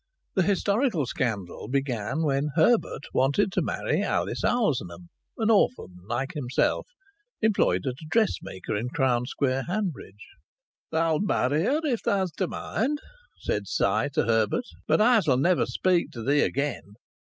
The historical scandal began when Herbert wanted to marry Alice Oulsnam, an orphan like himself, employed at a dress maker's in Crown Square, Hanbridge. "Thou'lt marry her if thou'st a mind," said Si to Herbert, "but I s'll ne'er speak to thee again."